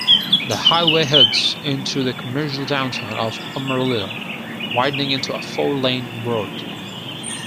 The highway heads into the commercial downtown of Amarillo, widening into a four-lane road.